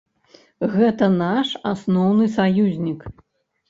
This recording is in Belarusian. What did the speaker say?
Гэта наш асноўны саюзнік.